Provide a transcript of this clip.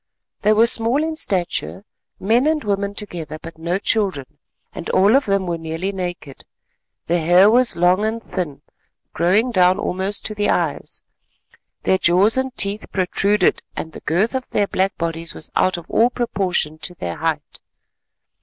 They were small in stature, men and women together, but no children, and all of them were nearly naked. Their hair was long and thin, growing down almost to the eyes, their jaws and teeth protruded and the girth of their black bodies was out of all proportion to their height.